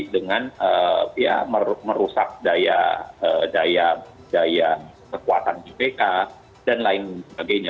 dengan merusak daya kekuatan bpk dan lain sebagainya